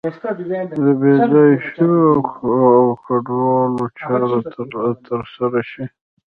د بې ځایه شویو او کډوالو چارې تر سره شي.